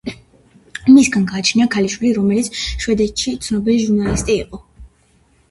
მისგან გააჩინა ქალიშვილი, რომელიც შვედეთში ცნობილი ჟურნალისტი იყო.